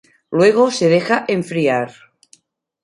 Luego se deja enfriar.